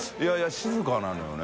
静かなのよね。